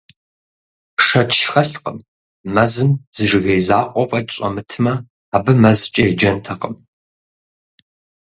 Шэч хэлъкъым: мэзым зы жыгей закъуэ фӀэкӀ щӀэмытмэ, абы мэзкӀэ еджэнтэкъым.